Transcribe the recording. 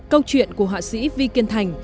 câu chuyện của họa sĩ vi kiên thành